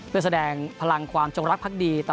เพื่อแสดงพลังความจงรักภักดีต่อ